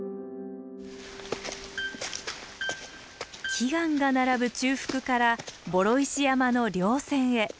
奇岩が並ぶ中腹から双石山の稜線へ。